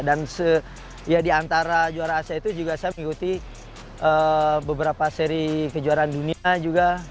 dan diantara juara asia itu juga saya mengikuti beberapa seri kejuaraan dunia juga